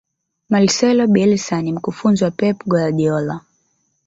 marcelo bielsa ni mkufunzi wa pep guardiola